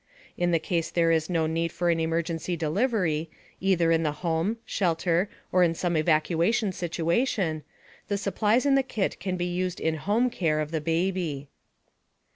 In the case there is no need for an emergency delivery, either in the home, shelter or in some evacuation situation, the supplies in the kit can be used in home care of the baby.